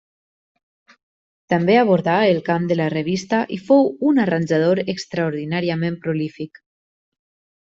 També abordà el camp de la revista i fou un arranjador extraordinàriament prolífic.